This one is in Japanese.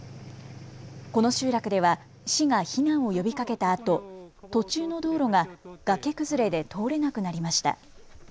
この集落では市が避難を呼びかけたあと途中の道路が崖崩れで通れなくなりました。